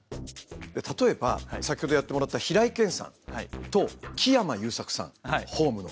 例えば先ほどやってもらった平井堅さんと木山裕策さん「ｈｏｍｅ」の。